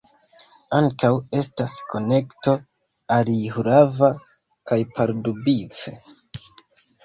Ankaŭ estas konekto al Jihlava kaj Pardubice.